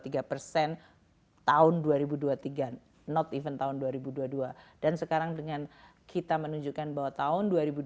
tiga persen tahun dua ribu dua puluh tiga not even tahun dua ribu dua puluh dua dan sekarang dengan kita menunjukkan bahwa tahun dua ribu dua puluh